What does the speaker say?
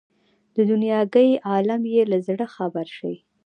د دنیاګۍ عالم یې له زړه خبر شي.